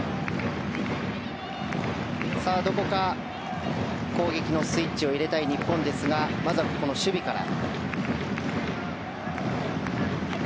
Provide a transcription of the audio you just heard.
どこか攻撃のスイッチを入れたい日本ですがまずは、ここの守備から。